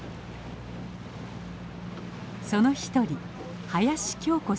その一人林京子さんです。